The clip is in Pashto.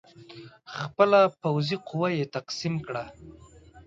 خپله پوځي قوه یې تقسیم کړه.